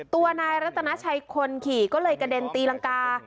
ตัวนายรัตนาชัยคนขี่ก็เลยกระเด็นตีรังกา